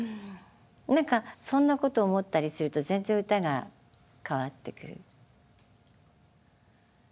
何かそんなことを思ったりすると全然歌が変わってくるみたいなね。